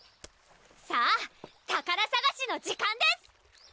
さぁ宝さがしの時間です！